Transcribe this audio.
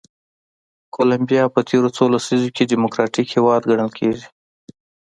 کولمبیا په تېرو څو لسیزو کې ډیموکراتیک هېواد ګڼل کېږي.